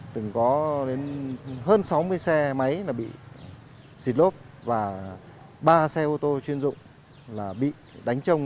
từng có đến hơn sáu mươi xe máy bị xịt lốp và ba xe ô tô chuyên dụng là bị đánh trông